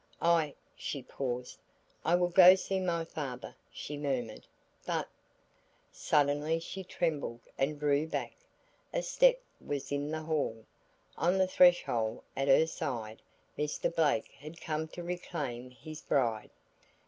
"I ," she paused. "I will go see my father," she murmured, "but " Suddenly she trembled and drew back; a step was in the hall, on the threshold, at her side; Mr. Blake had come to reclaim his bride.